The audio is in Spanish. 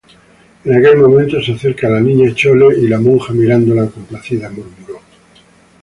en aquel momento se acercaba la Niña Chole, y la monja, mirándola complacida, murmuró: